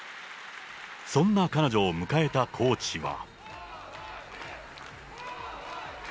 そんな彼女を迎えたコーチは。